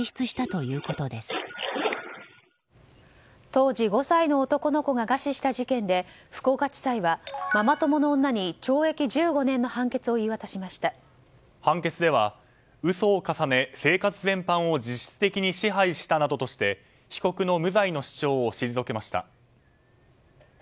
当時５歳の男の子が餓死した事件で福岡地裁はママ友の女に懲役１５年の判決では嘘を重ね生活全般を実質的に支配したなどとして被告の無罪の主張を退けました。